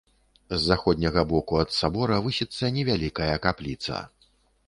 З заходняга боку ад сабора высіцца невялікая капліца.